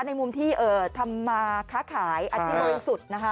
ในมุมที่ทำมาค้าขายอาชีพโดยสุดนะครับ